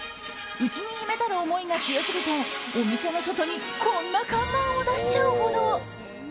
内に秘めたる思いが強すぎてお店の外にこんな看板を出しちゃうほど。